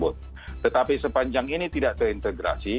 tetapi sepanjang ini tidak terintegrasi